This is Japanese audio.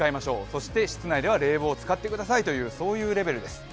そして室内では冷房を使ってくださいという、そういうレベルです。